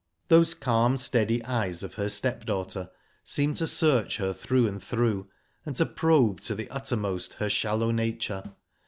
Those calm, steady eyes of her stepdaughter seemed to search her through and through, and to probe to the uttermost her shallow nature.